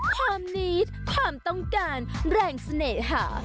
ความนีดความต้องการแรงเสน่หา